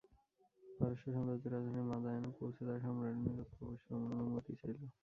পারস্য সাম্রাজ্যের রাজধানী মাদায়েনে পৌঁছে তারা সম্রাটের নিকট প্রবেশের অনুমতি চাইল।